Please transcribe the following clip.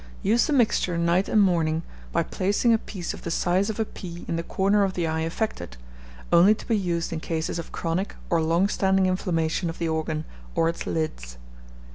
Use the mixture night and morning, by placing a piece of the size of a pea in the corner of the eye affected, only to be used in cases of chronic or long standing inflammation of the organ, or its lids.